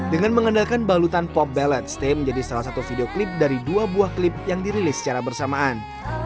dengan mengandalkan balutan pop ballot stay menjadi salah satu video klip dari dua buah klip yang dirilis secara bersamaan